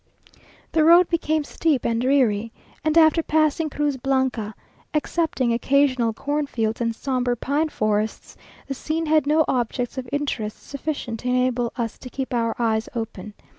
The road became steep and dreary, and after passing Cruz Blanca, excepting occasional cornfields and sombre pine forests, the scene had no objects of interest sufficient to enable us to keep our eyes open.